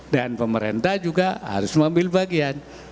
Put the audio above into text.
pemerintah juga harus mengambil bagian